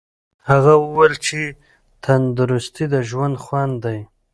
هغه وویل چې تندرستي د ژوند خوند دی.